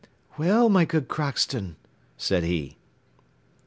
"Well, my good Crockston," said he.